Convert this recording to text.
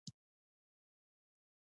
دوی له بنسټیزو حقوقو څخه برخمن کیږي.